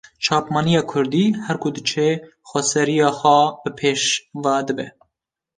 Çapemeniya kurdî, her ku diçe xweseriya xwe bi pêş ve dibe